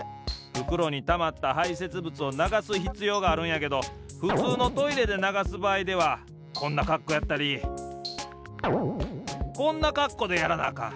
ふくろにたまったはいせつぶつをながすひつようがあるんやけどふつうのトイレでながすばあいではこんなかっこうやったりこんなかっこうでやらなあかん。